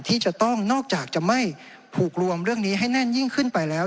ที่จะต้องนอกจากจะไม่ผูกรวมเรื่องนี้ให้แน่นยิ่งขึ้นไปแล้ว